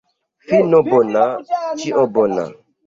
Fino bona, ĉio bona.